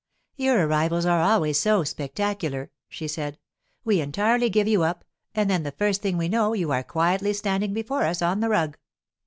'Your arrivals are always so spectacular,' she said. 'We entirely give you up, and then the first thing we know you are quietly standing before us on the rug.